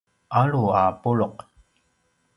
alu a pulu’